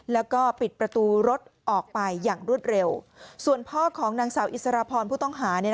แล้วก็ปิดประตูรถออกไปอย่างรวดเร็วส่วนพ่อของนางสาวอิสรพรผู้ต้องหา